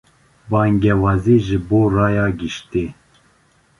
Bangewazî ji bo raya giştî